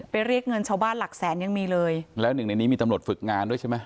เรียกเงินชาวบ้านหลักแสนยังมีเลยแล้วหนึ่งในนี้มีตำรวจฝึกงานด้วยใช่ไหม